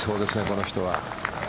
この人は。